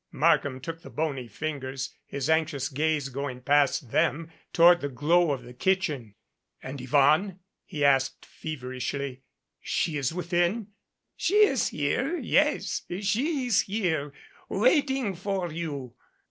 Markham took the bony fingers, his anxious gaze going past them toward the glow of the kitchen. 332 DUO "And Yvonne?" he asked feverishly. "She is within?" "She is here, yes, she is here waiting for you."